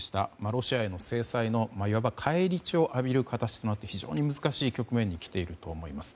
ロシアへの制裁のいわば返り血を浴びる形となって非常に難しい局面にきていると思います。